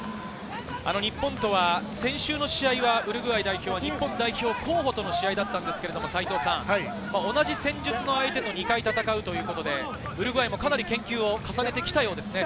日本とは先週の試合はウルグアイ代表は日本代表候補との試合だったんですけれど、同じ戦術の相手と２回戦うということでウルグアイもかなり研究を重ねてきたようですね。